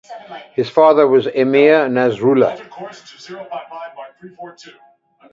His father was emir Nasrullah.